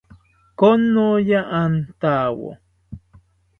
Konoya antawo